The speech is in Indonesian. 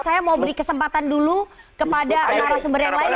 saya mau beri kesempatan dulu kepada narasumber yang lain